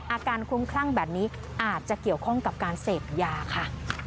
คลุ้มคลั่งแบบนี้อาจจะเกี่ยวข้องกับการเสพยาค่ะ